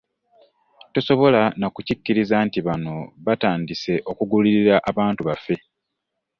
Tosobola na kukikkiriza nti bano batandise okugulirira abantu baffe